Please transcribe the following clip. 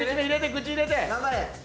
口入れて。